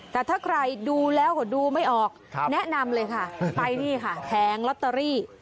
แต่ถ้าใครดูแล้วก็ดูไม่ออกแนะนำเลยค่ะไปนี่ค่ะแผงลอตเตอรี่